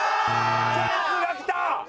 チャンスが来た！